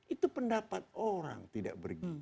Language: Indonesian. itu pendapat orang tidak pergi